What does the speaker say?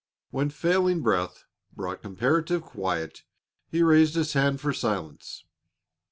When failing breath brought comparative quiet, he raised his hand for silence.